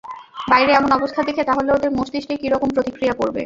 বাইরে এমন অবস্থা দেখে, তাহলে ওদের মস্তিষ্কে কি রকম প্রতিক্রিয়া পড়বে?